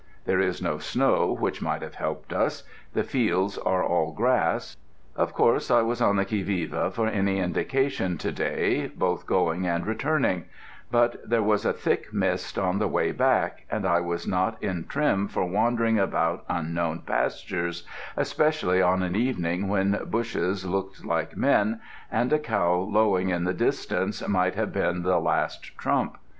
There is no snow, which might have helped us. The fields are all grass. Of course I was on the qui vive for any indication to day both going and returning; but there was a thick mist on the way back, and I was not in trim for wandering about unknown pastures, especially on an evening when bushes looked like men, and a cow lowing in the distance might have been the last trump.